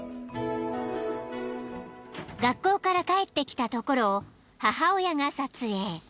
［学校から帰ってきたところを母親が撮影］